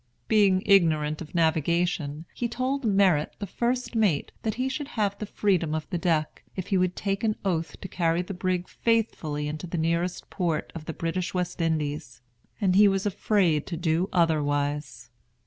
Being ignorant of navigation, he told Merritt, the first mate, that he should have the freedom of the deck, if he would take an oath to carry the brig faithfully into the nearest port of the British West Indies; and he was afraid to do otherwise.